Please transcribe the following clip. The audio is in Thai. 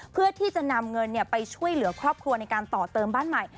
เพื่อที่จะนำเงินไปช่วยเหลือครอบครัวในการต่อเติมบ้านใหม่